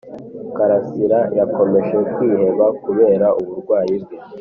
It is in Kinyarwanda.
Karasira yakomeje kwiheba kubera uburwayi bwe